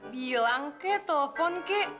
bilang kek telepon kek